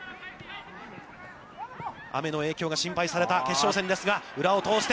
雨の影響が心配された決勝戦ですが、裏を通して。